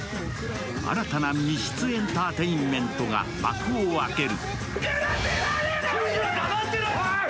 新たな密室エンターテインメントが幕を開ける。